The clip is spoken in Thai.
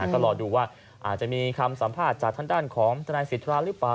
ก็รอดูว่าอาจจะมีคำสัมภาษณ์จากทางด้านของทนายสิทธาหรือเปล่า